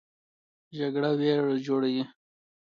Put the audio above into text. جګړه ویر جوړوي